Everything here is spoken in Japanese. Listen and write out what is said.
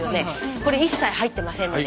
これ一切入ってませんので。